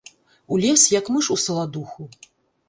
Улез, як мыш у саладуху.